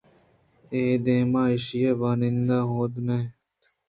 اے دمان ءَ ایشی ءِ واہُند ہُودءَ نہ اَت